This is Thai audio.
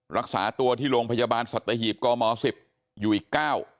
รักษาตัวที่โรงพยาบาลศัตริหีบกม๑๐อยู่อีก๙